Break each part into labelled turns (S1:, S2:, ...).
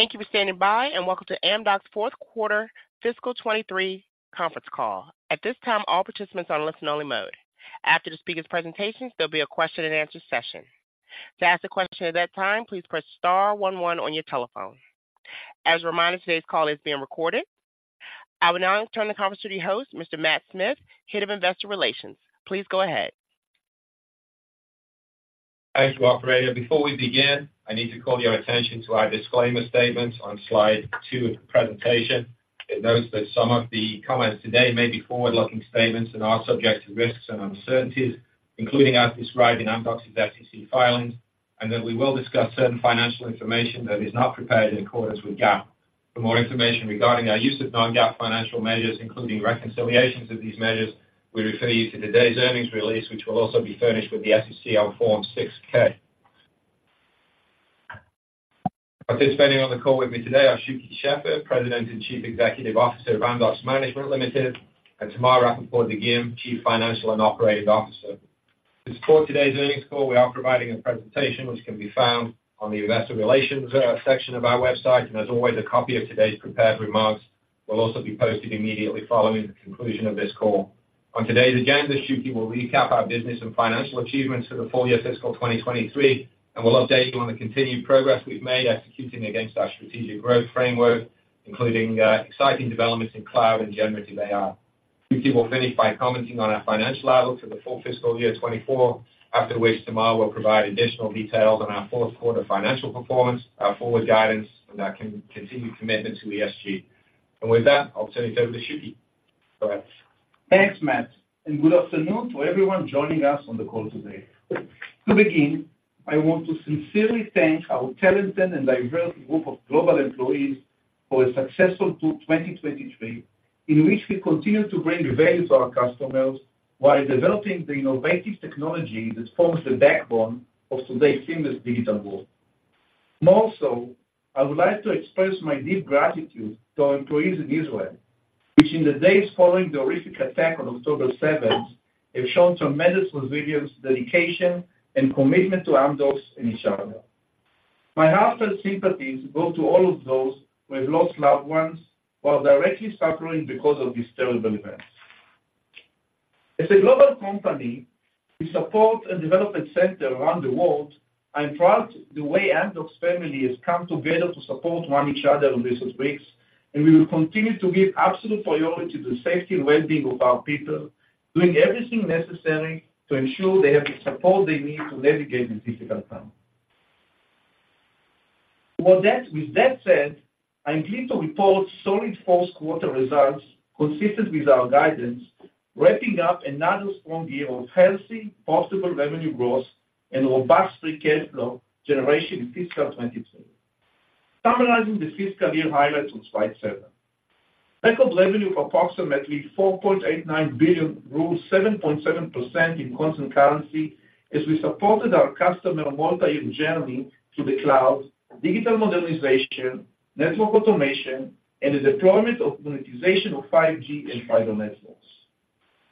S1: Thank you for standing by, and welcome to Amdocs' Fourth Quarter Fiscal 2023 Conference Call. At this time, all participants are on listen-only mode. After the speaker's presentations, there'll be a question-and-answer session. To ask a question at that time, please press star one one on your telephone. As a reminder, today's call is being recorded. I will now turn the conference to the host, Mr. Matt Smith, Head of Investor Relations. Please go ahead.
S2: Thank you, operator. Before we begin, I need to call your attention to our disclaimer statements on slide two of the presentation. It notes that some of the comments today may be forward-looking statements and are subject to risks and uncertainties, including as described in Amdocs' SEC filings, and that we will discuss certain financial information that is not prepared in accordance with GAAP. For more information regarding our use of non-GAAP financial measures, including reconciliations of these measures, we refer you to today's earnings release, which will also be furnished with the SEC on Form 6-K. Participating on the call with me today are Shuky Sheffer, President and Chief Executive Officer of Amdocs Management Limited, and Tamar Rapaport-Dagim, Chief Financial and Operating Officer. To support today's earnings call, we are providing a presentation which can be found on the investor relations section of our website. As always, a copy of today's prepared remarks will also be posted immediately following the conclusion of this call. On today's agenda, Shuky will recap our business and financial achievements for the full year fiscal 2023, and we'll update you on the continued progress we've made executing against our strategic growth framework, including exciting developments in cloud and generative AI. Shuky will finish by commenting on our financial outlook for the full fiscal year 2024, after which Tamar will provide additional details on our fourth quarter financial performance, our forward guidance, and our continued commitment to ESG. And with that, I'll turn it over to Shuky. Go ahead.
S3: Thanks, Matt, and good afternoon to everyone joining us on the call today. To begin, I want to sincerely thank our talented and diverse group of global employees for a successful 2023, in which we continued to bring value to our customers while developing the innovative technology that forms the backbone of today's seamless digital world. More so, I would like to express my deep gratitude to our employees in Israel, which in the days following the horrific attack on October 7, have shown tremendous resilience, dedication, and commitment to Amdocs and each other. My heartfelt sympathies go to all of those who have lost loved ones, while directly suffering because of these terrible events. As a global company, we support a development center around the world. I'm proud the way Amdocs family has come together to support one each other in recent weeks, and we will continue to give absolute priority to the safety and well-being of our people, doing everything necessary to ensure they have the support they need to navigate in difficult times. With that, with that said, I'm pleased to report solid fourth quarter results consistent with our guidance, wrapping up another strong year of healthy possible revenue growth and robust free cash flow generation in fiscal 2023. Summarizing the fiscal year highlights on slide seven. Record revenue of approximately $4.89 billion, grew 7.7% in constant currency, as we supported our customer multi-year journey to the cloud, digital modernization, network automation, and the deployment of monetization of 5G and fiber networks.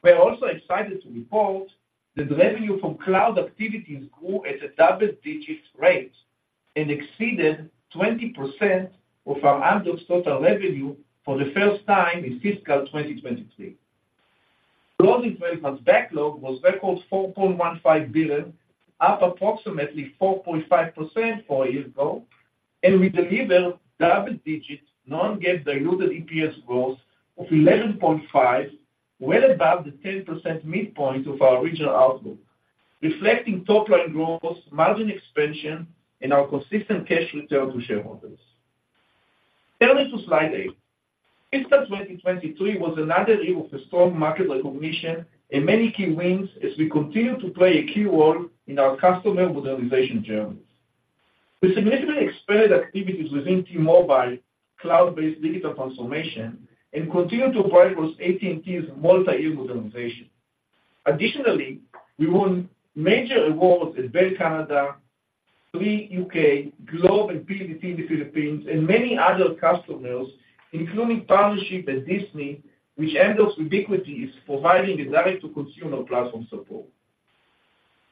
S3: We are also excited to report that the revenue from cloud activities grew at a double-digit rate and exceeded 20% of our Amdocs total revenue for the first time in fiscal 2023. Closing 12 months backlog was record $4.15 billion, up approximately 4.5% from a year ago, and we delivered double-digit non-GAAP diluted EPS growth of 11.5, well above the 10% midpoint of our original outlook, reflecting top line growth, margin expansion, and our consistent cash return to shareholders. Turning to slide eight. Fiscal 2023 was another year of a strong market recognition and many key wins as we continued to play a key role in our customer modernization journeys. We significantly expanded activities within T-Mobile, cloud-based digital transformation, and continued to progress AT&T's multi-year modernization. Additionally, we won major awards at Bell Canada, Three UK, Globe and PLDT in the Philippines, and many other customers, including partnership at Disney, which Amdocs Vubiquity is providing the direct-to-consumer platform support.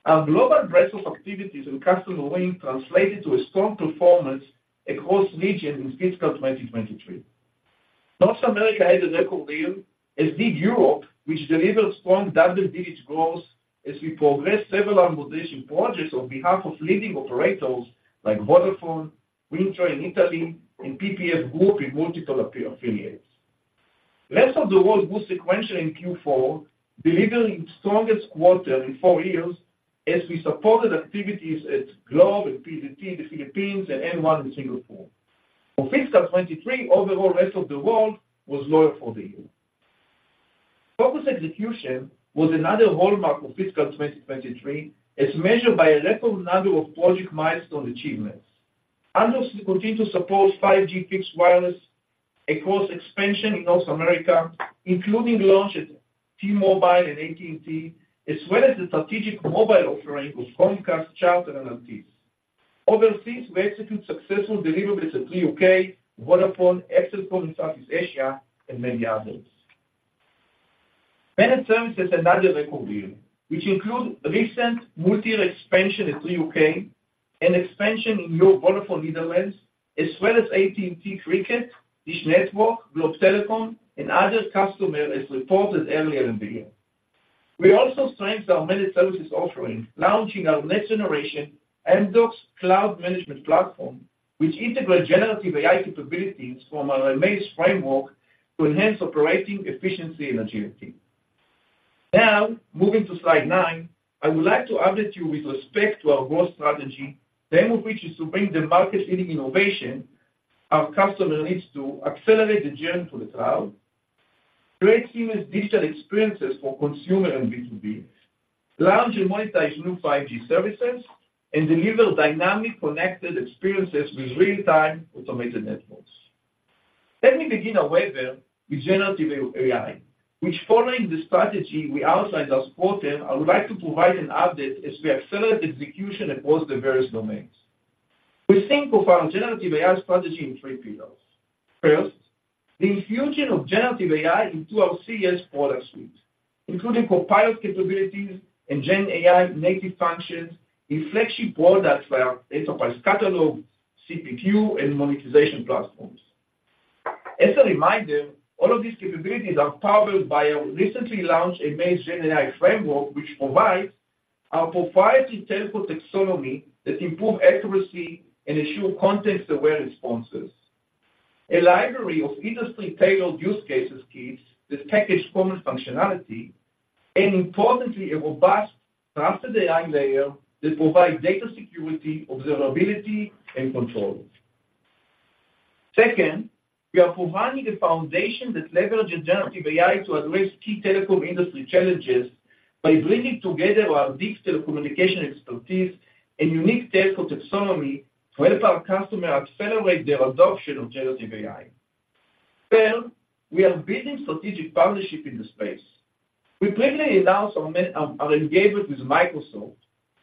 S3: Our global breadth of activities and customer win translated to a strong performance across regions in fiscal 2023. North America had a record deal, as did Europe, which delivered strong double-digit growth as we progressed several modernization projects on behalf of leading operators like Vodafone, Wind Tre in Italy, and PPF Group in multiple affiliates. Rest of the world grew sequentially in Q4, delivering its strongest quarter in four years as we supported activities at Globe and PLDT in the Philippines and M1 in Singapore. For fiscal 2023, overall rest of the world was lower for the year. Focused execution was another hallmark of fiscal 2023, as measured by a record number of project milestone achievements. Amdocs continued to support 5G fixed wireless across expansion in North America, including launch at T-Mobile and AT&T, as well as the strategic mobile offering with Comcast, Charter and Altice. Overseas, we executed successful deliverables at Three UK, Vodafone, XL Axiata in Southeast Asia, and many others. Managed services is another record deal, which include recent multi-year expansion in the UK, and expansion in new Vodafone Netherlands, as well as AT&T Cricket, Dish Network, Globe Telecom, and other customer, as reported earlier in the year. We also strengthened our managed services offering, launching our next-generation Amdocs Cloud Management Platform, which integrates generative AI capabilities from our amAIz framework to enhance operating efficiency and agility. Now, moving to slide nine, I would like to update you with respect to our growth strategy, the aim of which is to bring the market-leading innovation our customer needs to accelerate the journey to the cloud, create seamless digital experiences for consumer and B2B, launch and monetize new 5G services, and deliver dynamic connected experiences with real-time automated networks. Let me begin, however, with generative AI, which following the strategy we outlined last quarter, I would like to provide an update as we accelerate execution across the various domains. We think of our generative AI strategy in three pillars. First, the infusion of generative AI into our CSP product suite, including copilot capabilities and GenAI native functions in flagship products via Enterprise Catalog, CPQ, and monetization platforms. As a reminder, all of these capabilities are powered by our recently launched amAIz GenAI framework, which provides our proprietary telco taxonomy that improve accuracy and ensure context-aware responses. A library of industry-tailored use cases keeps the packaged common functionality, and importantly, a robust trusted AI layer that provides data security, observability, and control. Second, we are providing a foundation that leverage generative AI to address key telecom industry challenges by bringing together our deep telecommunication expertise and unique telco taxonomy to help our customers accelerate their adoption of generative AI. Third, we are building strategic partnership in the space. We previously announced our engagement with Microsoft,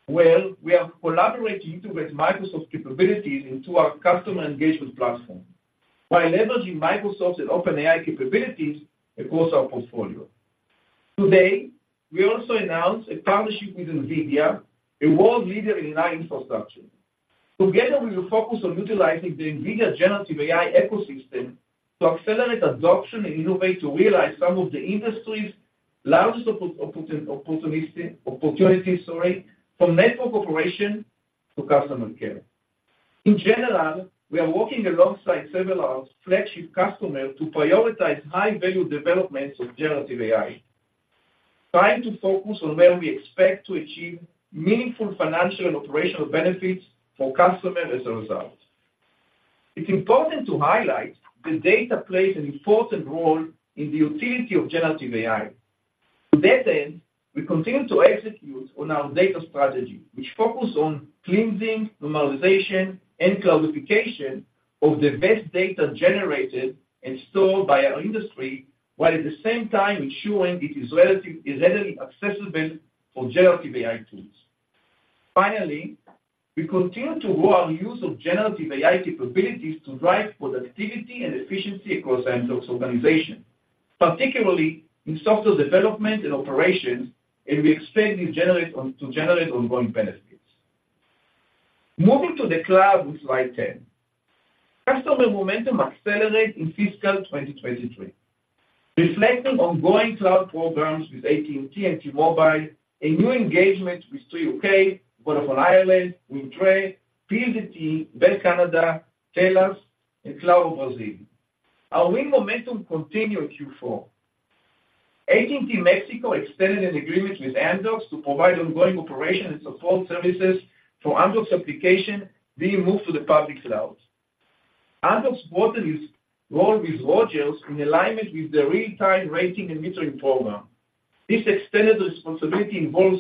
S3: where we are collaborating to integrate Microsoft capabilities into our customer engagement platform by leveraging Microsoft's OpenAI capabilities across our portfolio. Today, we also announced a partnership with NVIDIA, a world leader in AI infrastructure. Together, we will focus on utilizing the NVIDIA generative AI ecosystem to accelerate adoption and innovate, to realize some of the industry's largest opportunistic opportunities, sorry, from network operation to customer care. In general, we are working alongside several of our flagship customer to prioritize high-value developments of generative AI, trying to focus on where we expect to achieve meaningful financial and operational benefits for customer as a result. It's important to highlight that data plays an important role in the utility of generative AI. To that end, we continue to execute on our data strategy, which focus on cleansing, normalization, and classification of the best data generated and stored by our industry, while at the same time ensuring it is readily accessible for generative AI tools. Finally, we continue to grow our use of generative AI capabilities to drive productivity and efficiency across Amdocs organization, particularly in software development and operations, and we expect it to generate ongoing benefits. Moving to the cloud with slide 10. Customer momentum accelerated in fiscal 2023, reflecting ongoing cloud programs with AT&T, T-Mobile, a new engagement with Three UK, Vodafone Ireland, Wind Tre, KT, Bell Canada, Telus, and Claro Brazil. Our win momentum continued in Q4. AT&T Mexico extended an agreement with Amdocs to provide ongoing operation and support services for Amdocs application being moved to the public cloud. Amdocs supported this role with Rogers in alignment with their real-time rating and metering program. This extended responsibility involves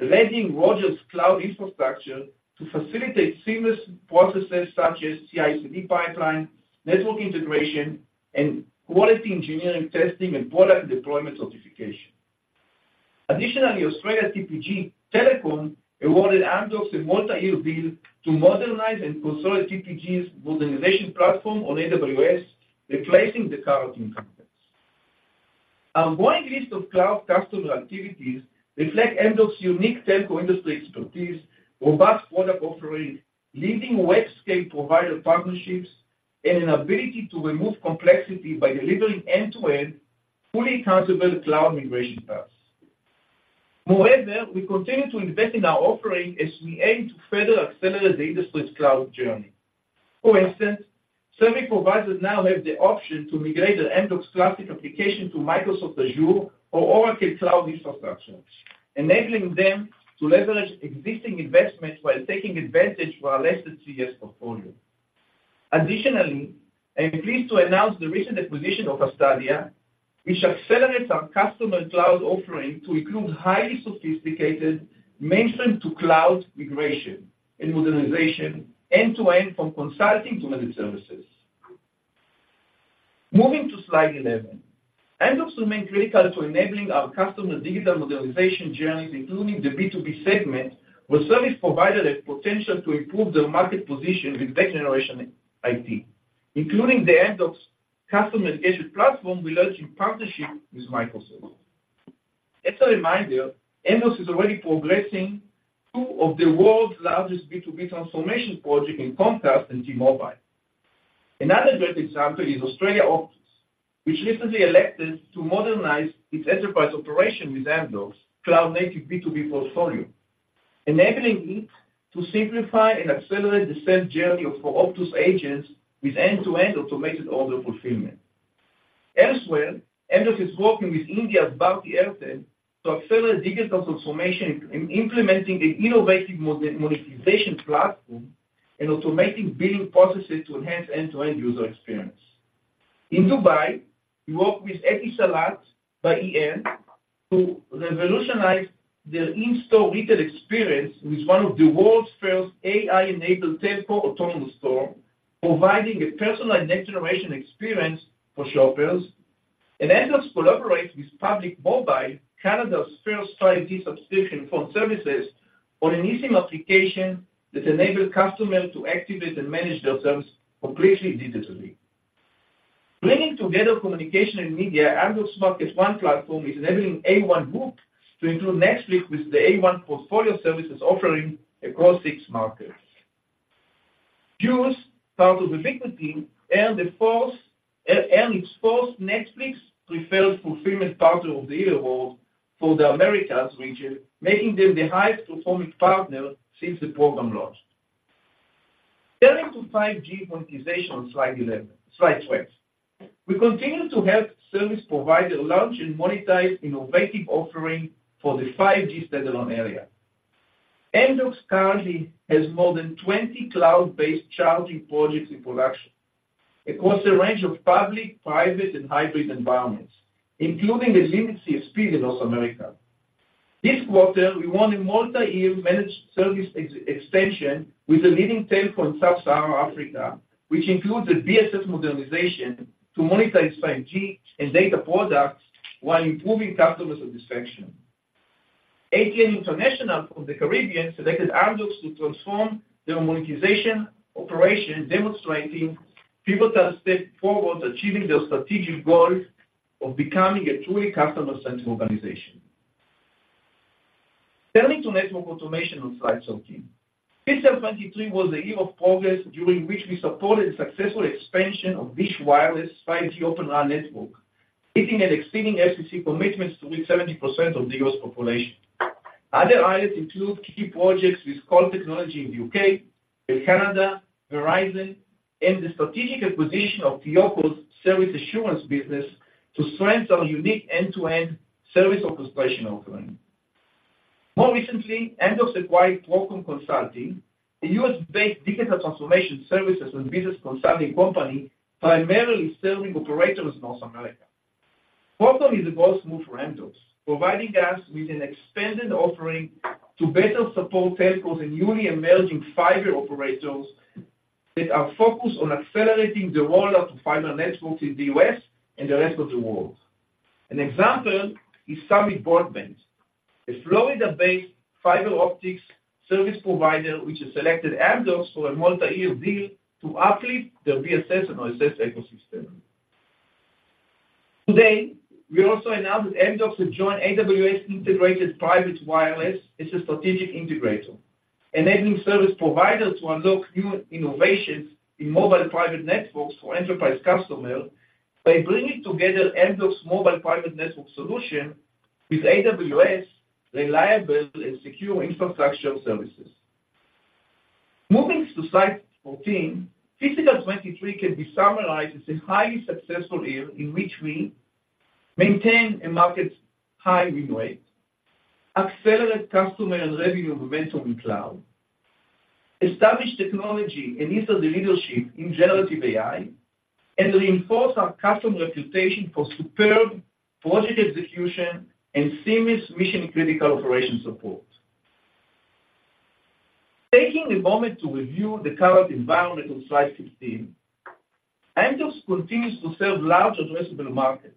S3: landing Rogers cloud infrastructure to facilitate seamless processes such as CI/CD pipeline, network integration, and quality engineering, testing, and product deployment certification. Additionally, Australian TPG Telecom awarded Amdocs a multi-year deal to modernize and consolidate TPG's modernization platform on AWS, replacing the current incumbents. Ongoing list of cloud customer activities reflect Amdocs' unique telco industry expertise, robust product offering, leading web-scale provider partnerships, and an ability to remove complexity by delivering end-to-end, fully accountable cloud migration paths. Moreover, we continue to invest in our offering as we aim to further accelerate the industry's cloud journey. For instance, service providers now have the option to migrate an Amdocs classic application to Microsoft Azure or Oracle Cloud Infrastructure, enabling them to leverage existing investments while taking advantage of our leading CS portfolio. Additionally, I'm pleased to announce the recent acquisition of Astadia, which accelerates our customer cloud offering to include highly sophisticated mainframe-to-cloud migration and modernization, end-to-end, from consulting to managed services. Moving to slide 11. Amdocs remains critical to enabling our customers' digital modernization journeys, including the B2B segment, where service providers have potential to improve their market position with next-generation IT, including the Amdocs Customer Engagement Platform we launched in partnership with Microsoft. As a reminder, Amdocs is already progressing two of the world's largest B2B transformation projects in Comcast and T-Mobile. Another great example is Australian Optus, which recently elected to modernize its enterprise operations with Amdocs' cloud-native B2B portfolio, enabling it to simplify and accelerate the sales journey for Optus agents with end-to-end automated order fulfillment. Elsewhere, Amdocs is working with India's Bharti Airtel to accelerate digital transformation in implementing an innovative monetization platform and automating billing processes to enhance end-to-end user experience. In Dubai, we work with Etisalat by e&, to revolutionize their in-store retail experience with one of the world's first AI-enabled telco autonomous store, providing a personalized next-generation experience for shoppers. Amdocs collaborates with Public Mobile, Canada's first prepaid subscription phone services, on an eSIM application that enables customers to activate and manage their services completely digitally. Bringing together communication and media, Amdocs MarketONE platform is enabling A1 Group to launch next-gen with the A1 portfolio services offering across six markets. Hughes, part of the EchoStar team, and the EchoStar and Hughes Netflix Preferred Fulfillment Partner of the Year Award for the Americas region, making them the highest performing partner since the program launched. Turning to 5G monetization, slide 11, slide 12. We continue to help service providers launch and monetize innovative offerings for the 5G standalone era. Amdocs currently has more than 20 cloud-based charging projects in production. Across a range of public, private, and hybrid environments, including the limited CSP in North America. This quarter, we won a multi-year managed services extension with a leading telco in Sub-Saharan Africa, which includes a BSS modernization to monetize 5G and data products while improving customer satisfaction. ATN International from the Caribbean selected Amdocs to transform their monetization operation, demonstrating pivotal step forward, achieving their strategic goals of becoming a truly customer-centric organization. Turning to network automation on slide 13. Fiscal 2023 was the year of progress, during which we supported successful expansion of Dish Wireless 5G open access network, hitting and exceeding FCC commitments to reach 70% of the U.S. population. Other highlights include key projects with Colt Technology in the U.K., in Canada, Verizon, and the strategic acquisition of TEOCO's service assurance business to strengthen our unique end-to-end service orchestration offering. More recently, Amdocs acquired Procom Consulting, a U.S.-based digital transformation services and business consulting company, primarily serving operators in North America. Procom Consulting is a bold move for Amdocs, providing us with an expanded offering to better support telcos and newly emerging fiber operators that are focused on accelerating the roll-out of fiber networks in the U.S. and the rest of the world. An example is Summit Broadband, a Florida-based fiber optics service provider, which has selected Amdocs for a multi-year deal to uplift their BSS and OSS ecosystem. Today, we also announced that Amdocs will join AWS Integrated Private Wireless as a strategic integrator, enabling service providers to unlock new innovations in mobile private networks for enterprise customer by bringing together Amdocs mobile private network solution with AWS reliable and secure infrastructure services. Moving to slide 14, fiscal 2023 can be summarized as a highly successful year in which we maintain a market's high win rate, accelerate customer and revenue momentum in cloud, establish technology and industry leadership in generative AI, and reinforce our customer reputation for superb project execution and seamless mission-critical operation support. Taking a moment to review the current environment on slide 15, Amdocs continues to serve large addressable markets,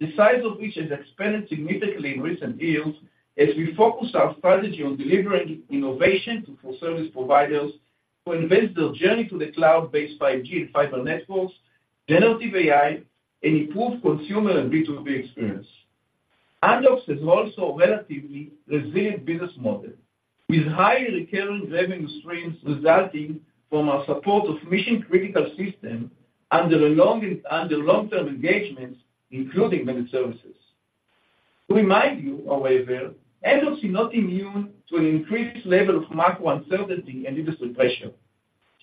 S3: the size of which has expanded significantly in recent years, as we focus our strategy on delivering innovation to full-service providers to invest their journey to the cloud-based 5G and fiber networks, generative AI, and improved consumer and B2B experience. Amdocs is also a relatively resilient business model, with high recurring revenue streams resulting from our support of mission-critical system under long-term engagements, including managed services. To remind you, however, Amdocs is not immune to an increased level of macro uncertainty and industry pressure,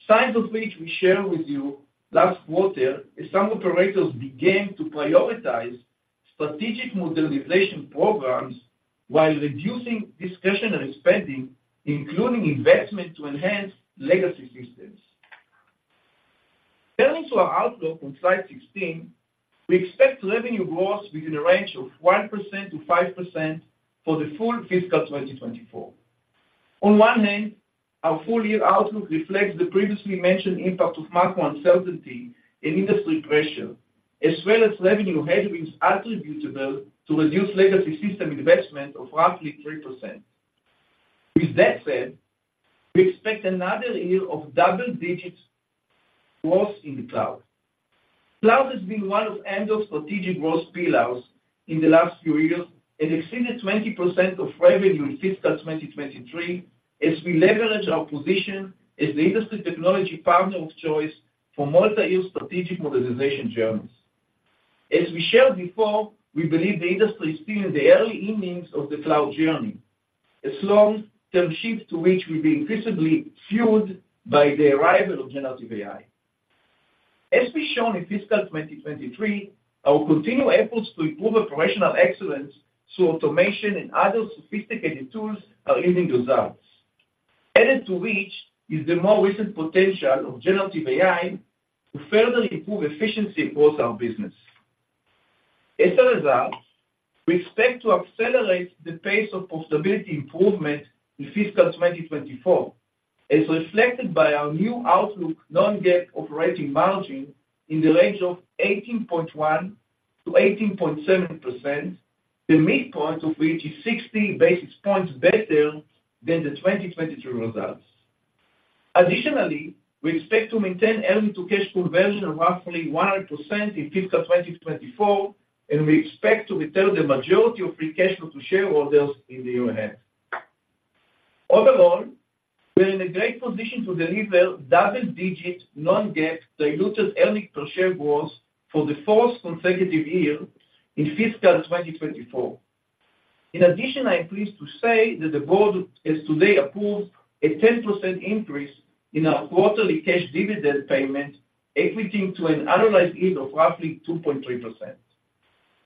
S3: signs of which we shared with you last quarter, as some operators began to prioritize strategic modernization programs while reducing discretionary spending, including investment to enhance legacy systems. Turning to our outlook on slide 16, we expect revenue growth within a range of 1%-5% for the full fiscal 2024. On one hand, our full year outlook reflects the previously mentioned impact of macro uncertainty and industry pressure, as well as revenue headwinds attributable to reduced legacy system investment of roughly 3%. With that said, we expect another year of double-digit growth in the cloud. Cloud has been one of Amdocs' strategic growth pillars in the last few years and exceeded 20% of revenue in fiscal 2023, as we leverage our position as the industry technology partner of choice for multi-year strategic modernization journeys. As we shared before, we believe the industry is still in the early innings of the cloud journey, a long-term shift to which will be increasingly fueled by the arrival of generative AI. As we've shown in fiscal 2023, our continued efforts to improve operational excellence through automation and other sophisticated tools are yielding results, added to which is the more recent potential of generative AI to further improve efficiency across our business. As a result, we expect to accelerate the pace of profitability improvement in fiscal 2024, as reflected by our new outlook non-GAAP operating margin in the range of 18.1%-18.7%, the midpoint of which is 60 basis points better than the 2023 results. Additionally, we expect to maintain earning to cash flow conversion of roughly 100% in fiscal 2024, and we expect to return the majority of free cash flow to shareholders in the year ahead. Overall, we are in a great position to deliver double-digit, non-GAAP, diluted earnings per share growth for the fourth consecutive year in fiscal 2024. In addition, I am pleased to say that the board has today approved a 10% increase in our quarterly cash dividend payment, equating to an annualized yield of roughly 2.3%.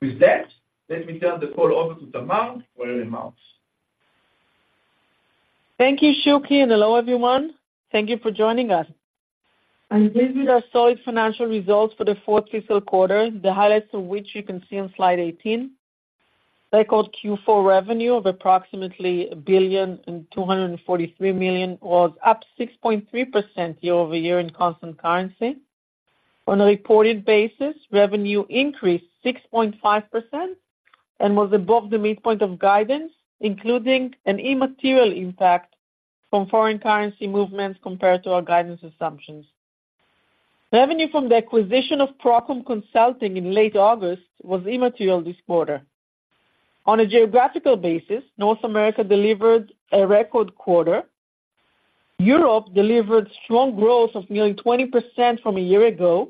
S3: With that, let me turn the call over to Tamar for remarks.
S4: Thank you, Shuky, and hello, everyone. Thank you for joining us. These are our solid financial results for the fourth fiscal quarter, the highlights of which you can see on slide 18. Record Q4 revenue of approximately $1,243 million was up 6.3% year-over-year in constant currency. On a reported basis, revenue increased 6.5% and was above the midpoint of guidance, including an immaterial impact from foreign currency movements compared to our guidance assumptions. Revenue from the acquisition of Procom Consulting in late August was immaterial this quarter. On a geographical basis, North America delivered a record quarter. Europe delivered strong growth of nearly 20% from a year ago,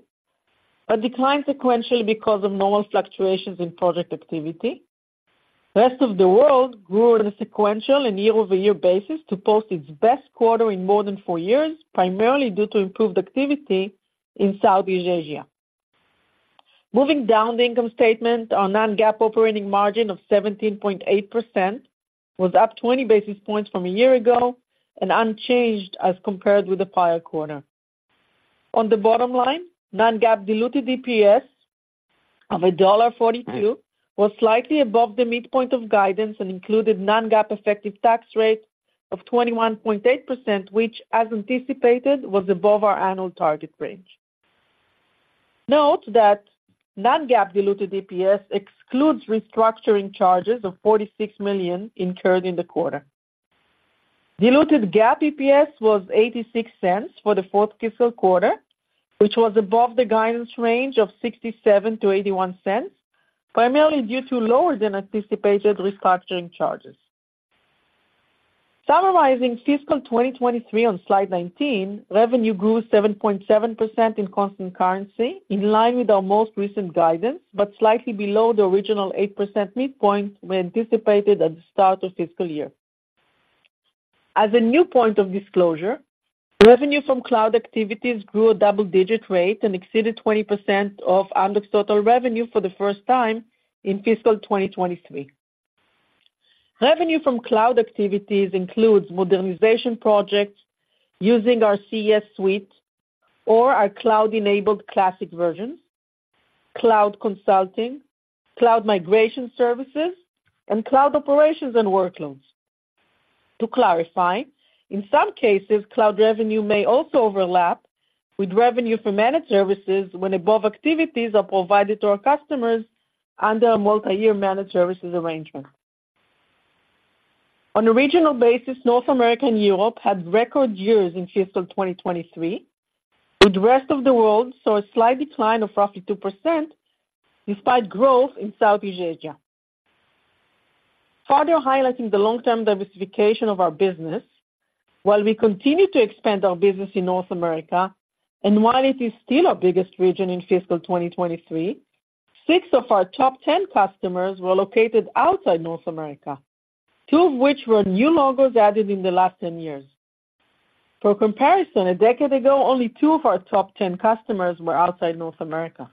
S4: but declined sequentially because of normal fluctuations in project activity. Rest of the world grew on a sequential and year-over-year basis to post its best quarter in more than four years, primarily due to improved activity in Southeast Asia. Moving down the income statement, our non-GAAP operating margin of 17.8% was up 20 basis points from a year ago and unchanged as compared with the prior quarter. On the bottom line, non-GAAP diluted EPS of $1.42 was slightly above the midpoint of guidance and included non-GAAP effective tax rate of 21.8%, which, as anticipated, was above our annual target range. Note that non-GAAP diluted EPS excludes restructuring charges of $46 million incurred in the quarter. Diluted GAAP EPS was $0.86 for the fourth fiscal quarter, which was above the guidance range of $0.67-$0.81, primarily due to lower than anticipated restructuring charges. Summarizing fiscal 2023 on slide 19, revenue grew 7.7% in constant currency, in line with our most recent guidance, but slightly below the original 8% midpoint we anticipated at the start of fiscal year. As a new point of disclosure, revenue from cloud activities grew a double-digit rate and exceeded 20% of Amdocs' total revenue for the first time in fiscal 2023. Revenue from cloud activities includes modernization projects using our CES suite or our cloud-enabled classic versions, cloud consulting, cloud migration services, and cloud operations and workloads. To clarify, in some cases, cloud revenue may also overlap with revenue from managed services when above activities are provided to our customers under a multi-year managed services arrangement. On a regional basis, North America and Europe had record years in fiscal 2023, with the rest of the world saw a slight decline of roughly 2%, despite growth in Southeast Asia. Further highlighting the long-term diversification of our business, while we continue to expand our business in North America, and while it is still our biggest region in fiscal 2023, six of our top 10 customers were located outside North America, two of which were new logos added in the last 10 years. For comparison, a decade ago, only two of our top 10 customers were outside North America.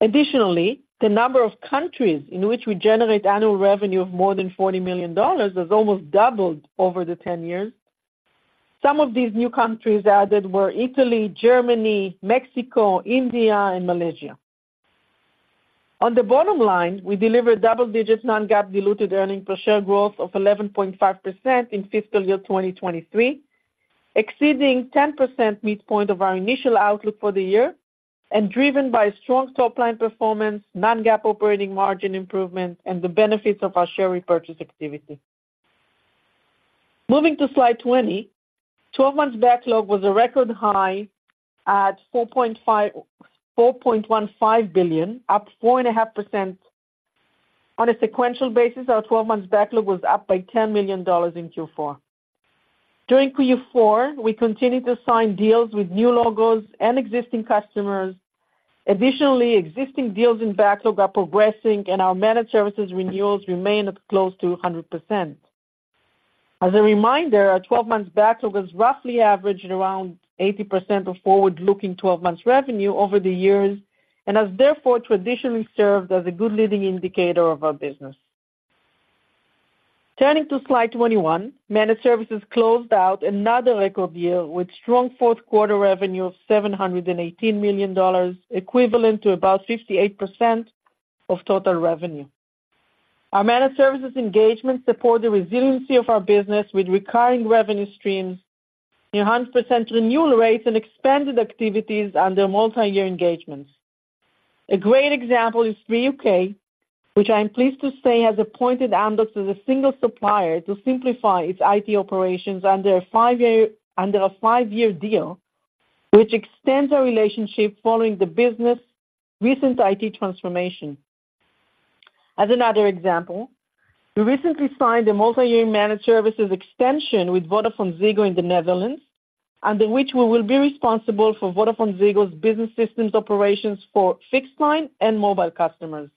S4: Additionally, the number of countries in which we generate annual revenue of more than $40 million has almost doubled over the 10 years. Some of these new countries added were Italy, Germany, Mexico, India and Malaysia. On the bottom line, we delivered double-digit non-GAAP diluted earnings per share growth of 11.5% in fiscal year 2023, exceeding 10% midpoint of our initial outlook for the year and driven by strong top line performance, non-GAAP operating margin improvement, and the benefits of our share repurchase activity. Moving to Slide 20, 12-month backlog was a record high at $4.15 billion, up 4.5%. On a sequential basis, our 12-month backlog was up by $10 million in Q4. During Q4, we continued to sign deals with new logos and existing customers. Additionally, existing deals in backlog are progressing, and our managed services renewals remain at close to 100%. As a reminder, our 12-month backlog has roughly averaged around 80% of forward-looking 12-months revenue over the years and has therefore traditionally served as a good leading indicator of our business. Turning to slide 21, managed services closed out another record year with strong fourth quarter revenue of $718 million, equivalent to about 58% of total revenue. Our managed services engagement support the resiliency of our business with recurring revenue streams, 100% renewal rates, and expanded activities under multi-year engagements. A great example is Three UK, which I am pleased to say, has appointed Amdocs as a single supplier to simplify its IT operations under a five year, under a five-year deal, which extends our relationship following the business recent IT transformation. As another example, we recently signed a multi-year managed services extension with VodafoneZiggo in the Netherlands, under which we will be responsible for VodafoneZiggo's business systems operations for fixed line and mobile customers.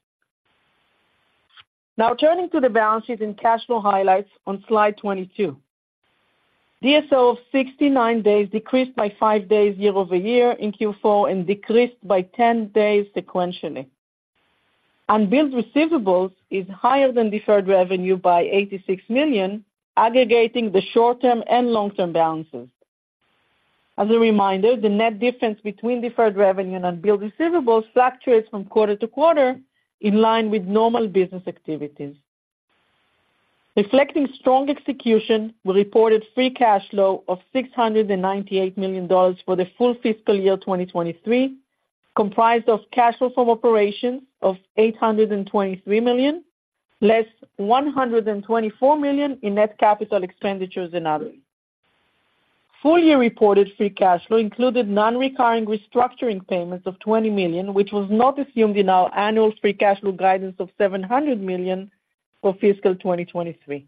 S4: Now, turning to the balances and cash flow highlights on slide 22. DSO of 69 days decreased by five days year-over-year in Q4 and decreased by 10 days sequentially. Unbilled receivables is higher than deferred revenue by $86 million, aggregating the short-term and long-term balances. As a reminder, the net difference between deferred revenue and unbilled receivables fluctuates from quarter to quarter, in line with normal business activities. Reflecting strong execution, we reported free cash flow of $698 million for the full fiscal year 2023, comprised of cash flow from operations of $823 million, less $124 million in net capital expenditures and others. Full year reported free cash flow included non-recurring restructuring payments of $20 million, which was not assumed in our annual free cash flow guidance of $700 million for fiscal 2023.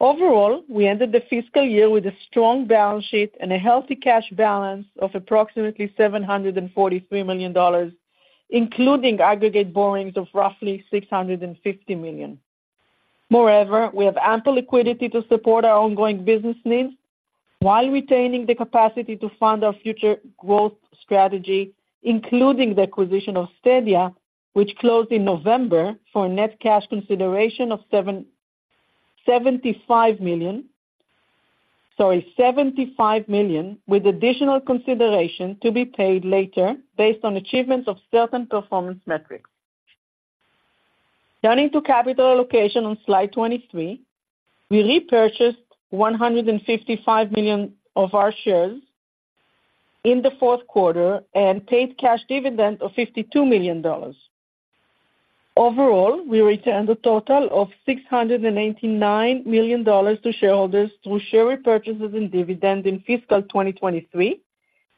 S4: Overall, we ended the fiscal year with a strong balance sheet and a healthy cash balance of approximately $743 million, including aggregate borrowings of roughly $650 million. Moreover, we have ample liquidity to support our ongoing business needs while retaining the capacity to fund our future growth strategy, including the acquisition of Astadia, which closed in November for a net cash consideration of $775 million. Sorry, $75 million, with additional consideration to be paid later based on achievements of certain performance metrics. Turning to capital allocation on slide 23. We repurchased $155 million of our shares in the fourth quarter and paid cash dividend of $52 million. Overall, we returned a total of $689 million to shareholders through share repurchases and dividends in fiscal 2023,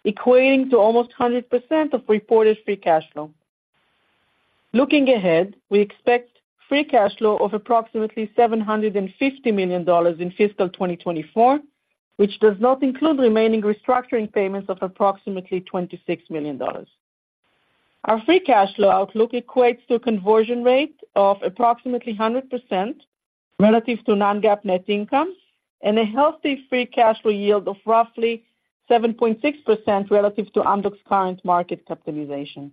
S4: equating to almost 100% of reported free cash flow. Looking ahead, we expect free cash flow of approximately $750 million in fiscal 2024, which does not include remaining restructuring payments of approximately $26 million. Our free cash flow outlook equates to a conversion rate of approximately 100% relative to non-GAAP net income, and a healthy free cash flow yield of roughly 7.6% relative to Amdocs' current market capitalization.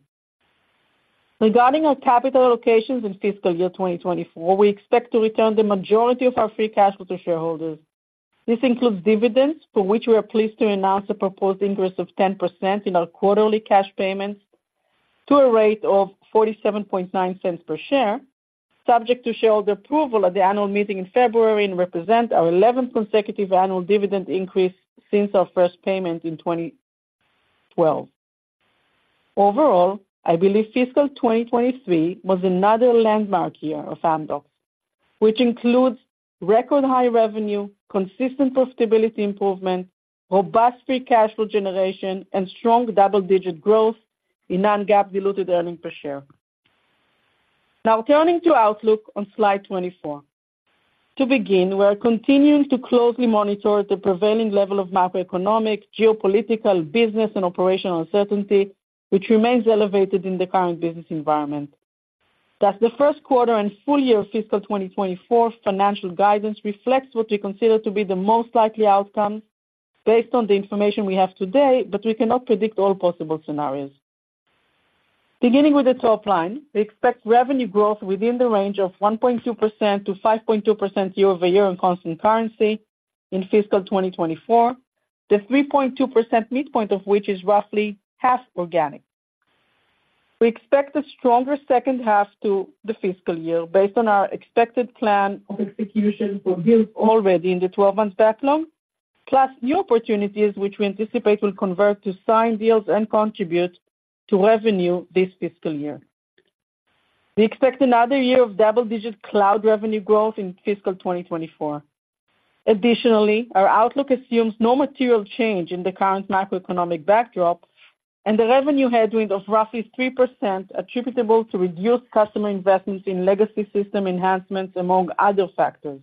S4: Regarding our capital allocations in fiscal year 2024, we expect to return the majority of our free cash flow to shareholders. This includes dividends, for which we are pleased to announce a proposed increase of 10% in our quarterly cash payments to a rate of $0.479 per share, subject to shareholder approval at the annual meeting in February, and represent our eleventh consecutive annual dividend increase since our first payment in 2012. Overall, I believe fiscal 2023 was another landmark year of Amdocs, which includes record high revenue, consistent profitability improvement, robust free cash flow generation, and strong double-digit growth in non-GAAP diluted earnings per share. Now, turning to outlook on slide 24. To begin, we are continuing to closely monitor the prevailing level of macroeconomic, geopolitical, business, and operational uncertainty, which remains elevated in the current business environment. Thus, the first quarter and full year fiscal 2024 financial guidance reflects what we consider to be the most likely outcome based on the information we have today, but we cannot predict all possible scenarios. Beginning with the top line, we expect revenue growth within the range of 1.2%-5.2% year-over-year in constant currency in fiscal 2024. The 3.2% midpoint of which is roughly half organic. We expect a stronger second half to the fiscal year based on our expected plan of execution for deals already in the 12-month backlog, plus new opportunities which we anticipate will convert to signed deals and contribute to revenue this fiscal year. We expect another year of double-digit cloud revenue growth in fiscal 2024. Additionally, our outlook assumes no material change in the current macroeconomic backdrop and a revenue headwind of roughly 3% attributable to reduced customer investments in legacy system enhancements, among other factors.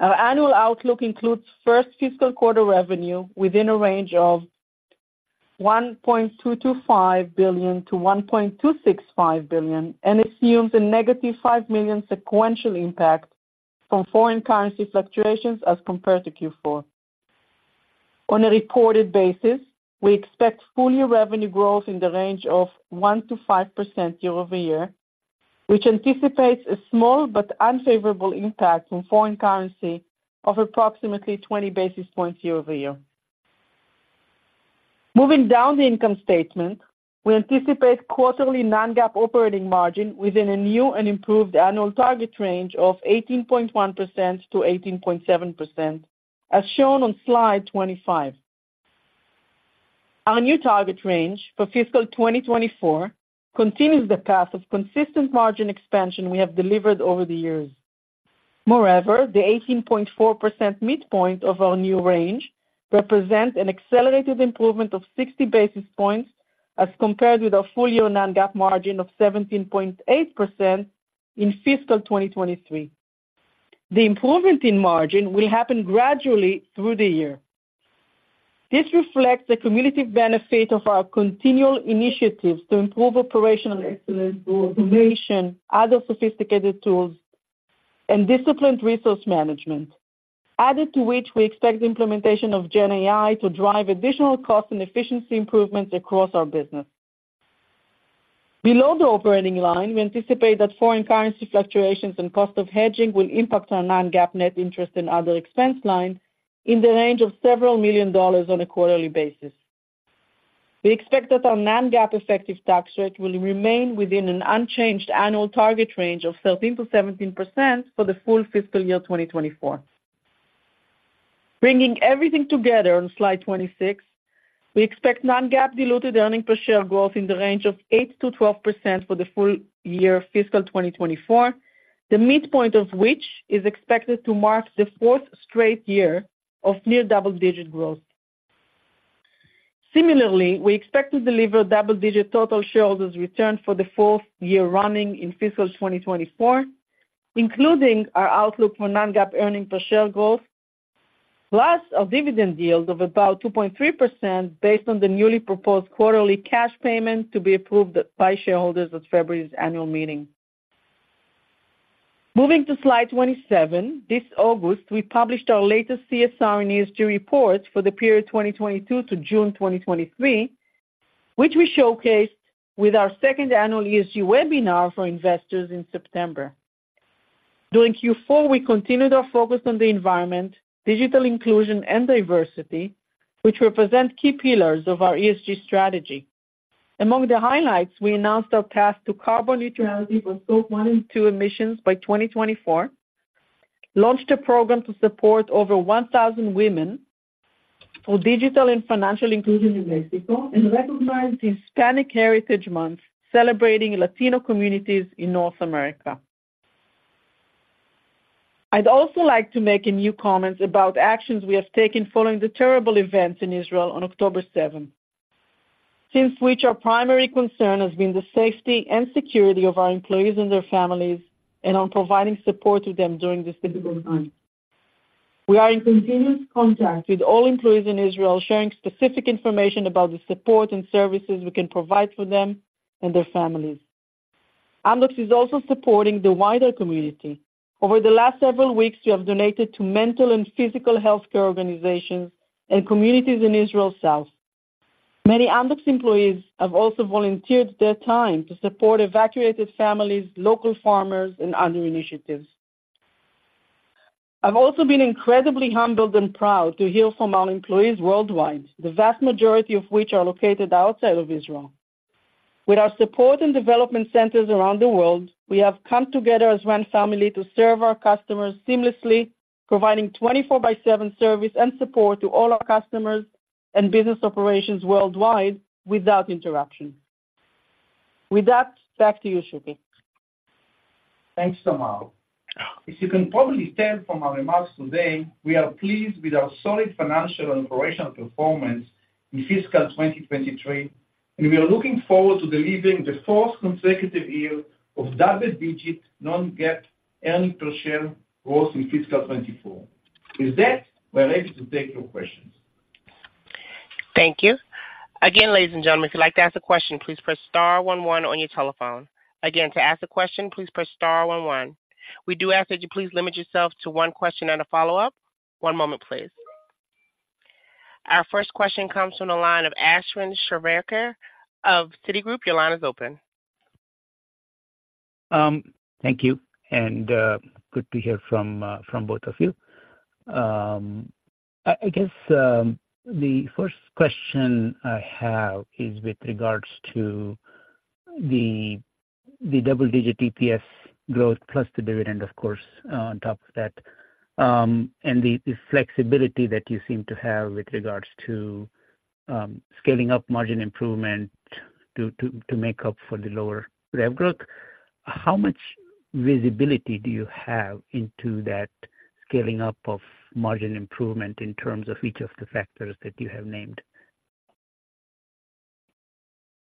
S4: Our annual outlook includes first fiscal quarter revenue within a range of $1.225 billion-$1.265 billion, and assumes a -$5 million sequential impact from foreign currency fluctuations as compared to Q4. On a reported basis, we expect full-year revenue growth in the range of 1%-5% year-over-year, which anticipates a small but unfavorable impact from foreign currency of approximately 20 basis points year-over-year. Moving down the income statement, we anticipate quarterly non-GAAP operating margin within a new and improved annual target range of 18.1%-18.7%, as shown on slide 25. Our new target range for fiscal 2024 continues the path of consistent margin expansion we have delivered over the years. Moreover, the 18.4% midpoint of our new range represents an accelerated improvement of 60 basis points as compared with our full-year non-GAAP margin of 17.8% in fiscal 2023. The improvement in margin will happen gradually through the year. This reflects the cumulative benefit of our continual initiatives to improve operational excellence through automation, other sophisticated tools, and disciplined resource management, added to which we expect the implementation of GenAI to drive additional cost and efficiency improvements across our business. Below the operating line, we anticipate that foreign currency fluctuations and cost of hedging will impact our non-GAAP net interest and other expense line in the range of several million dollars on a quarterly basis. We expect that our non-GAAP effective tax rate will remain within an unchanged annual target range of 13%-17% for the full fiscal year 2024. Bringing everything together on slide 26, we expect non-GAAP diluted earnings per share growth in the range of 8%-12% for the full year fiscal 2024, the midpoint of which is expected to mark the fourth straight year of near double-digit growth. Similarly, we expect to deliver double-digit total shareholders return for the fourth year running in fiscal 2024, including our outlook for non-GAAP earnings per share growth, plus a dividend yield of about 2.3% based on the newly proposed quarterly cash payment to be approved by shareholders at February's annual meeting. Moving to slide 27. This August, we published our latest CSR and ESG report for the period 2022 to June 2023, which we showcased with our second annual ESG webinar for investors in September. During Q4, we continued our focus on the environment, digital inclusion, and diversity, which represent key pillars of our ESG strategy. Among the highlights, we announced our path to carbon neutrality for Scope 1 and 2 emissions by 2024, launched a program to support over 1,000 women for digital and financial inclusion in Mexico, and recognized Hispanic Heritage Month, celebrating Latino communities in North America. I'd also like to make a new comment about actions we have taken following the terrible events in Israel on October 7, since which our primary concern has been the safety and security of our employees and their families and on providing support to them during this difficult time. We are in continuous contact with all employees in Israel, sharing specific information about the support and services we can provide for them and their families. Amdocs is also supporting the wider community. Over the last several weeks, we have donated to mental and physical healthcare organizations and communities in Israel South. Many Amdocs employees have also volunteered their time to support evacuated families, local farmers, and other initiatives. I've also been incredibly humbled and proud to hear from our employees worldwide, the vast majority of which are located outside of Israel. With our support and development centers around the world, we have come together as one family to serve our customers seamlessly, providing 24/7 service and support to all our customers and business operations worldwide without interruption. With that, back to you, Shuky.
S3: Thanks, Tamar. As you can probably tell from our remarks today, we are pleased with our solid financial and operational performance in fiscal 2023, and we are looking forward to delivering the fourth consecutive year of double-digit Non-GAAP earnings per share growth in fiscal 2024. With that, we are ready to take your questions.
S1: Thank you. Again, ladies and gentlemen, if you'd like to ask a question, please press star one one on your telephone. Again, to ask a question, please press star one one. We do ask that you please limit yourself to one question and a follow-up. One moment, please. Our first question comes from the line of Ashwin Shirvaikar of Citigroup. Your line is open.
S5: Thank you, and good to hear from both of you. I guess the first question I have is with regards to the double-digit EPS growth, plus the dividend, of course, on top of that, and the flexibility that you seem to have with regards to scaling up margin improvement to make up for the lower rev growth. How much visibility do you have into that scaling up of margin improvement in terms of each of the factors that you have named?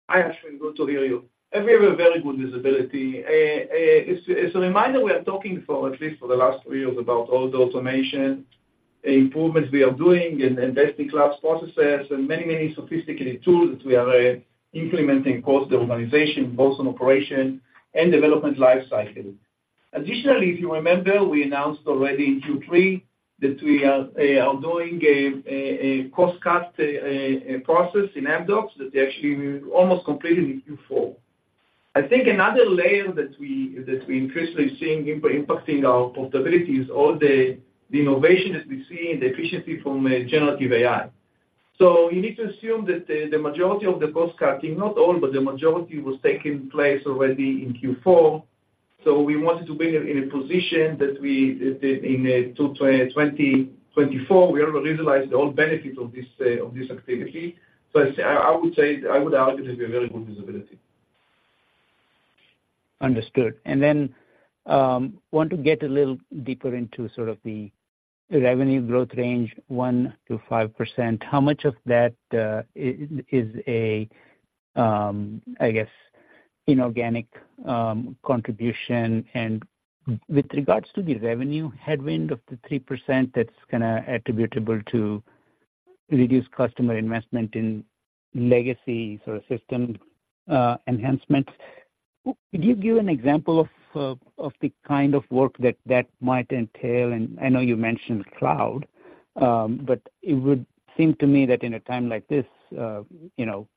S3: Hi, Ashwin, good to hear you. And we have a very good visibility. As a reminder, we are talking for at least the last three years about all the automation, improvements we are doing, and investing cloud processes and many, many sophisticated tools we are implementing across the organization, both on operation and development life cycle. Additionally, if you remember, we announced already in Q3 that we are doing a cost-cut process in Amdocs that we actually almost completed in Q4. I think another layer that we increasingly seeing impacting our profitability is all the innovation that we see and the efficiency from generative AI. So you need to assume that the majority of the cost-cutting, not all, but the majority was taking place already in Q4, so we wanted to be in a position that we in 2024, we already realized all the benefits of this activity. So I would say, I would argue this is a very good visibility.
S5: Understood. And then, want to get a little deeper into sort of the revenue growth range, 1%-5%. How much of that is a, I guess, inorganic contribution? And with regards to the revenue headwind of the 3%, that's kinda attributable to reduced customer investment in legacy sort of system enhancements. Could you give an example of the kind of work that might entail? And I know you mentioned cloud, but it would seem to me that in a time like this, you know,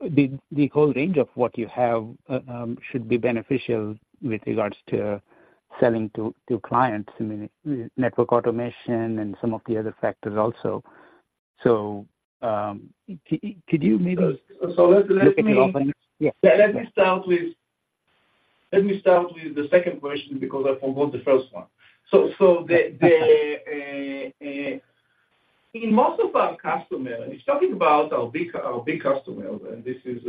S5: the whole range of what you have should be beneficial with regards to selling to clients, I mean, network automation and some of the other factors also. So, could you maybe—
S3: So let me—
S5: Yeah.
S3: Let me start with the second question because I forgot the first one. So, in most of our customers, it's talking about our big customers, and this is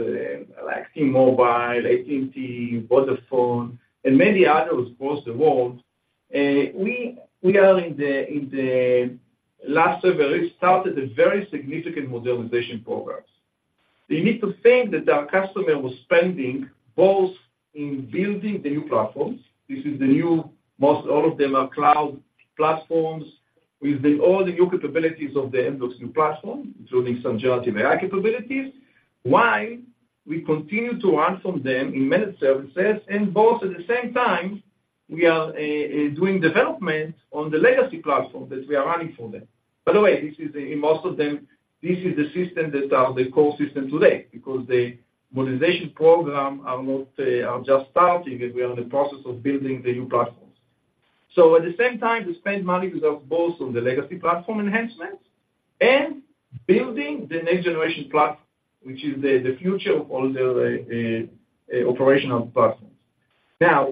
S3: like T-Mobile, AT&T, Vodafone, and many others across the world. We are in the last several years started a very significant modernization programs. You need to think that our customer was spending both in building the new platforms. This is the new, most all of them are cloud platforms, with all the new capabilities of the Amdocs new platform, including some generative AI capabilities. Why? We continue to run for them in managed services, and both at the same time, we are doing development on the legacy platform that we are running for them. By the way, this is in most of them, this is the system that are the core system today, because the modernization program are not, are just starting, and we are in the process of building the new platforms. So at the same time, we spend money because of both on the legacy platform enhancements and building the next generation platform, which is the future of all the operational platforms. Now,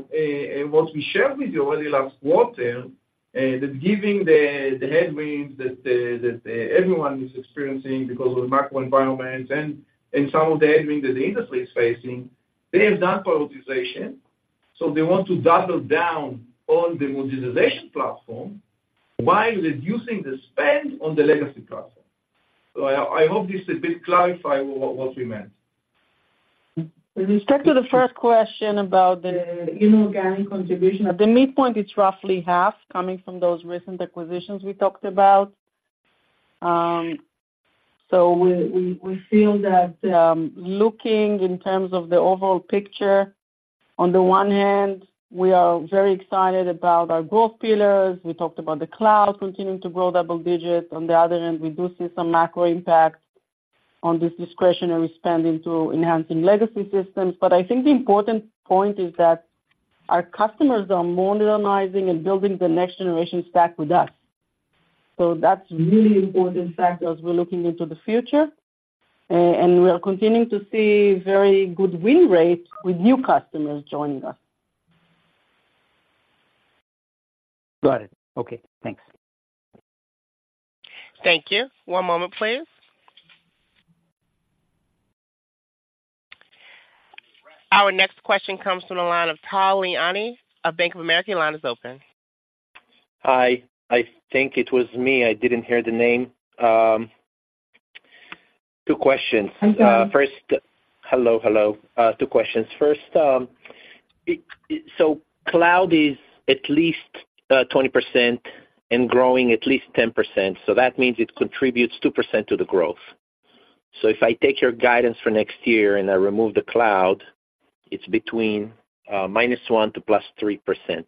S3: what we shared with you already last quarter, that given the headwinds that everyone is experiencing because of the macro environment and some of the headwinds that the industry is facing, they have done prioritization. So they want to double down on the modernization platform while reducing the spend on the legacy platform. So I hope this a bit clarify what we meant.
S4: With respect to the first question about the inorganic contribution, at the midpoint, it's roughly half coming from those recent acquisitions we talked about. So we feel that, looking in terms of the overall picture, on the one hand, we are very excited about our growth pillars. We talked about the cloud continuing to grow double digits. On the other hand, we do see some macro impact on this discretionary spending through enhancing legacy systems. But I think the important point is that our customers are modernizing and building the next generation stack with us. So that's really important factor as we're looking into the future, and we are continuing to see very good win rates with new customers joining us.
S5: Got it. Okay, thanks.
S1: Thank you. One moment, please. Our next question comes from the line of Tal Liani of Bank of America. Your line is open.
S6: Hi. I think it was me. I didn't hear the name. Two questions.
S1: Mm-hmm.
S6: First. Hello, hello. Two questions. First, it, so cloud is at least 20% and growing at least 10%, so that means it contributes 2% to the growth. So if I take your guidance for next year, and I remove the cloud, it's between -1% to +3%.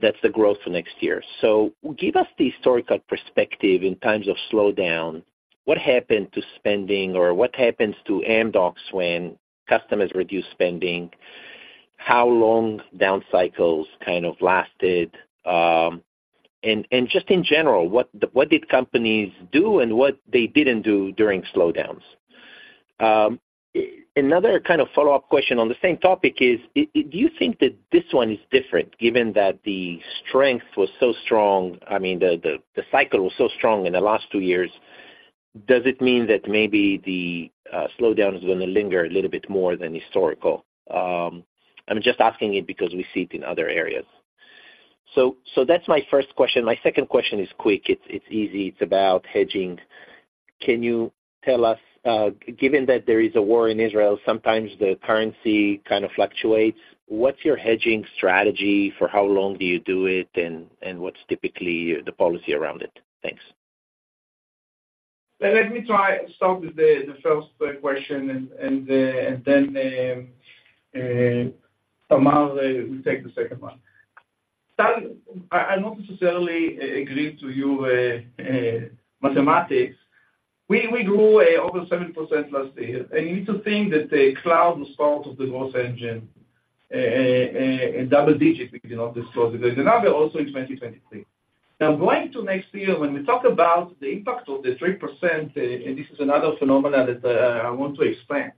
S6: That's the growth for next year. So give us the historical perspective in times of slowdown, what happened to spending or what happens to Amdocs when customers reduce spending? How long down cycles kind of lasted, and, and just in general, what the—what did companies do, and what they didn't do during slowdowns? Another kind of follow-up question on the same topic is, do you think that this one is different given that the strength was so strong, I mean, the cycle was so strong in the last two years, does it mean that maybe the slowdown is gonna linger a little bit more than historical? I'm just asking it because we see it in other areas. So that's my first question. My second question is quick, it's easy, it's about hedging. Can you tell us, given that there is a war in Israel, sometimes the currency kind of fluctuates, what's your hedging strategy? For how long do you do it, and what's typically the policy around it? Thanks.
S3: Let me try, start with the first question and then Tamar, we take the second one. Tal, I not necessarily agree to you mathematics. We grew over 7% last year, and you need to think that the cloud was part of the growth engine, a double digit beginning of this growth, because another also in 2023. Now, going to next year, when we talk about the impact of the 3%, and this is another phenomenon that I want to explain.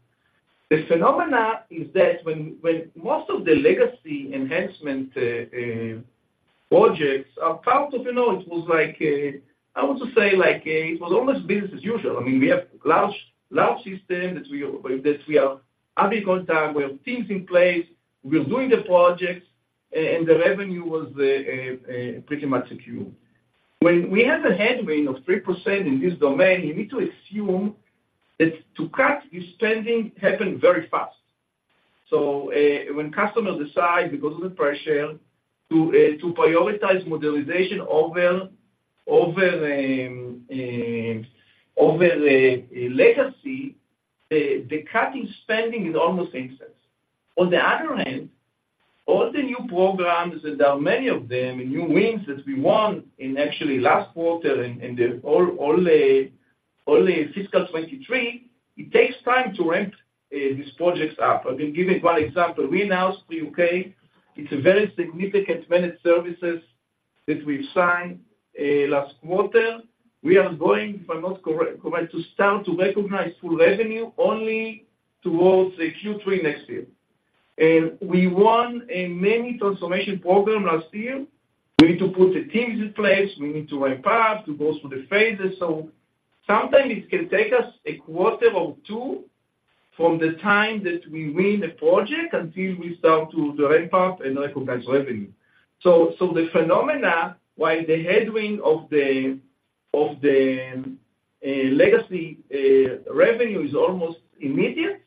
S3: The phenomenon is that when most of the legacy enhancement projects are part of, you know, it was like, I want to say like, it was almost business as usual. I mean, we have large, large system that we, that we are having contact, we have teams in place, we're doing the projects, and the revenue was pretty much secure. When we have a headwind of 3% in this domain, you need to assume that to cut your spending happen very fast. So, when customers decide because of the pressure to prioritize modernization over a legacy, the cutting spending is almost instant. On the other hand, all the new programs, and there are many of them, and new wins that we won in actually last quarter and all the fiscal 2023, it takes time to ramp these projects up. I can give you one example. We announced the U.K., it's a very significant managed services that we've signed last quarter. We are going, if I'm not correct, to start to recognize full revenue only towards the Q3 next year. And we won a many transformation program last year. We need to put the teams in place. We need to ramp up to go through the phases. So sometimes it can take us a quarter or two from the time that we win the project, until we start to ramp up and recognize revenue. So the phenomena, while the headwind of the legacy revenue is almost immediate,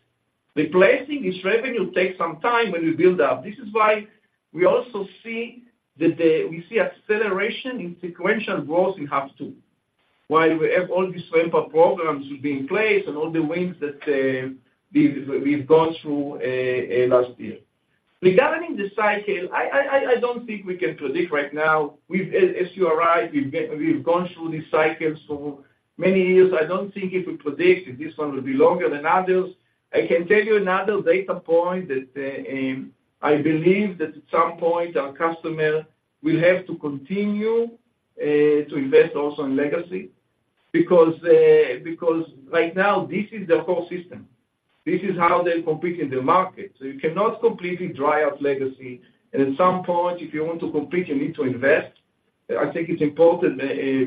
S3: replacing this revenue takes some time when we build up. This is why we also see that we see acceleration in sequential growth in half two, while we have all these ramp-up programs will be in place and all the wins that we've gone through last year. Regarding the cycle, I don't think we can predict right now. As you're right, we've gone through this cycle for many years. I don't think if we predict that this one will be longer than others. I can tell you another data point, that I believe that at some point our customer will have to continue to invest also in legacy, because right now this is their core system. This is how they compete in the market, so you cannot completely dry out legacy, and at some point, if you want to compete, you need to invest. I think it's important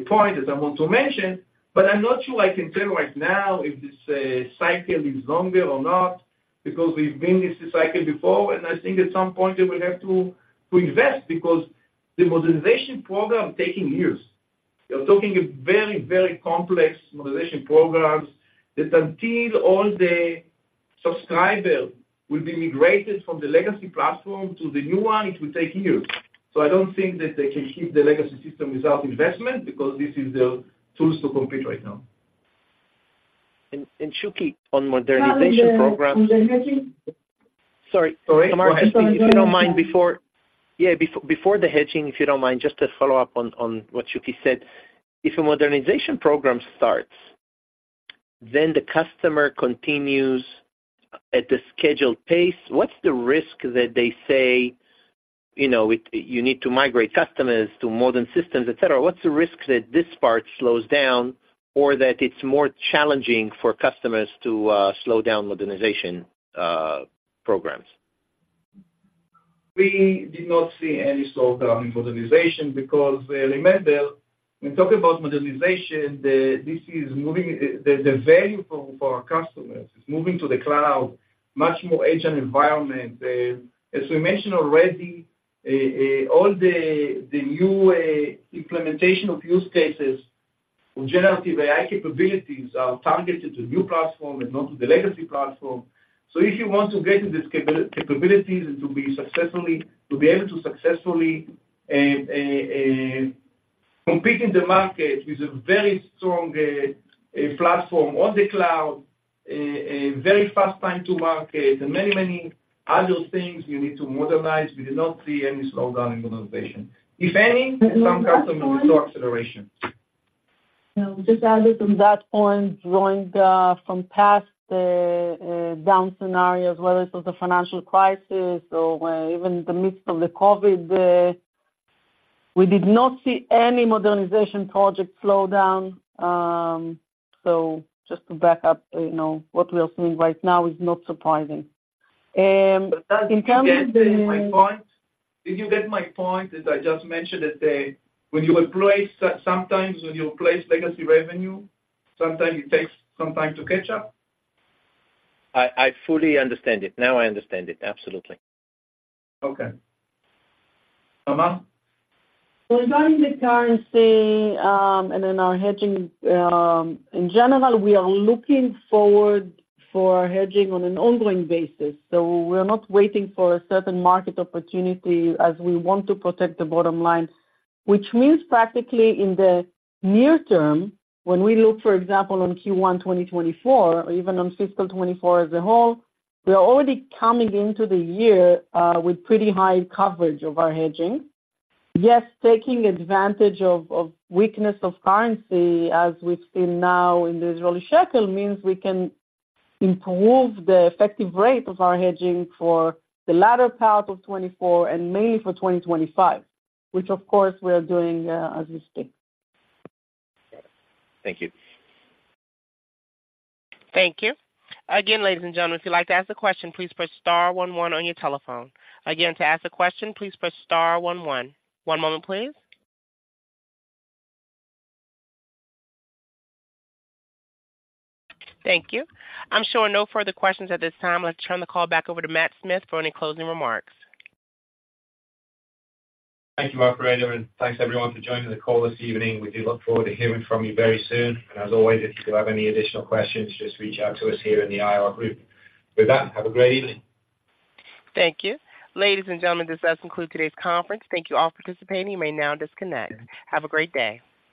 S3: point that I want to mention, but I'm not sure I can tell right now if this cycle is longer or not, because we've been in this cycle before, and I think at some point they will have to invest because the modernization program taking years. We're talking a very, very complex modernization programs that until all the subscriber will be migrated from the legacy platform to the new one, it will take years. So I don't think that they can keep the legacy system without investment, because this is the tools to compete right now.
S6: And, Shuky, on modernization programs—
S3: On the hedging?
S6: Sorry.
S3: Sorry.
S6: If you don't mind, before the hedging, if you don't mind, just to follow up on what Shuky said. If a modernization program starts, then the customer continues at the scheduled pace, what's the risk that they say, you know, with you need to migrate customers to modern systems, et cetera. What's the risk that this part slows down or that it's more challenging for customers to slow down modernization programs?
S3: We did not see any slowdown in modernization because, remember, when talking about modernization, the value for our customers, it's moving to the cloud, much more agent environment. As we mentioned already, all the new implementation of use cases for generative AI capabilities are targeted to new platform and not to the legacy platform. So if you want to get to this capabilities and to be able to successfully competing in the market with a very strong platform on the cloud, a very fast time to market, and many, many other things you need to modernize. We do not see any slowdown in modernization. If any, some customers saw acceleration.
S4: So just added on that point, drawing from past down scenarios, whether it was the financial crisis or even the midst of the COVID, we did not see any modernization project slow down. So just to back up, you know, what we are seeing right now is not surprising. In terms of—
S3: Did you get my point? Did you get my point, as I just mentioned, that, when you replace, sometimes when you replace legacy revenue, sometimes it takes some time to catch up?
S6: I fully understand it. Now I understand it, absolutely.
S3: Okay. Tamar?
S4: Regarding the currency, and then our hedging, in general, we are looking forward for hedging on an ongoing basis, so we're not waiting for a certain market opportunity as we want to protect the bottom line, which means practically in the near term, when we look, for example, on Q1 2024, or even on fiscal 2024 as a whole, we are already coming into the year, with pretty high coverage of our hedging. Yes, taking advantage of, of weakness of currency, as we've seen now in the Israeli Shekel, means we can improve the effective rate of our hedging for the latter part of 2024 and mainly for 2025, which of course, we are doing, as we speak.
S6: Thank you.
S1: Thank you. Again, ladies and gentlemen, if you'd like to ask a question, please press star one one on your telephone. Again, to ask a question, please press star one one. One moment, please. Thank you. I'm showing no further questions at this time. Let's turn the call back over to Matt Smith for any closing remarks.
S2: Thank you, operator, and thanks, everyone, for joining the call this evening. We do look forward to hearing from you very soon. And as always, if you do have any additional questions, just reach out to us here in the IR group. With that, have a great evening.
S1: Thank you. Ladies and gentlemen, this does conclude today's conference. Thank you all for participating. You may now disconnect. Have a great day.